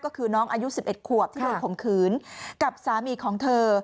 ก็คือน้องอายุ๑๑ขวบที่โดนข่มขืนกับสามีของเธอ